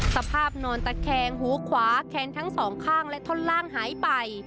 สภาพนอนตะแคงหูขวาแคนทั้งสองข้างและท่อนล่างหายไป